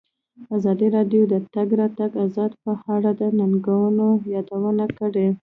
ازادي راډیو د د تګ راتګ ازادي په اړه د ننګونو یادونه کړې.